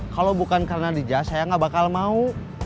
kalau bukan karena dija saya gak bakal mau